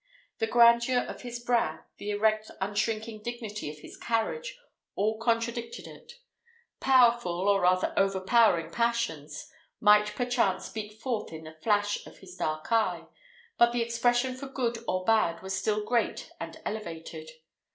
The grandeur of his brow, the erect unshrinking dignity of his carriage, all contradicted it. Powerful, or rather overpowering passions, might perchance speak forth in the flash of his dark eye, but its expression for good or bad was still great and elevated.